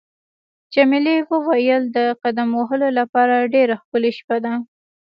جميلې وويل: د قدم وهلو لپاره ډېره ښکلې شپه ده.